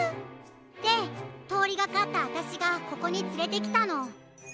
でとおりがかったあたしがここにつれてきたの。